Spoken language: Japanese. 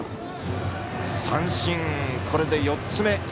三振、これで４つ目。